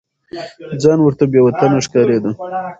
ځان ورته بې وطنه ښکارېده.